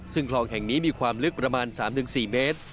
ซึ่งคลองแห่งนี้มีความลึกประมาณ๓๔เมตร